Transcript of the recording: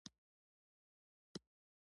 ما د پیرود پر وخت له دوکاندار مننه وکړه.